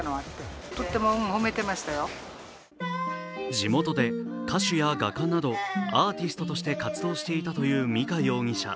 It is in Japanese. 地元で歌手や画家など、アーティストとして活動していたという美香容疑者。